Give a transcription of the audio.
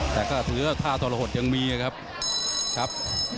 แต่ก็สุดยอดค่าตราหดยังมีนะครับ